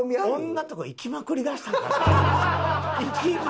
女のとこ行きまくりだしたんかな？